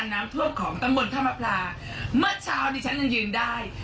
การน้ำท่วมของตำบนท่ามภาพลาเมื่อเช้าที่ฉันยืนได้